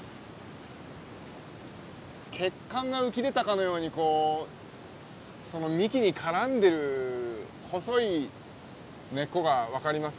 血管が浮き出たかのように幹に絡んでる細い根っこが分かりますよね。